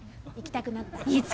行きたくなった？